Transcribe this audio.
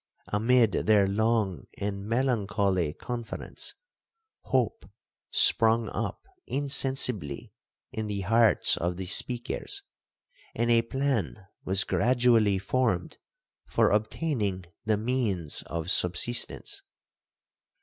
Amid their long and melancholy conference, hope sprung up insensibly in the hearts of the speakers, and a plan was gradually formed for obtaining the means of subsistence.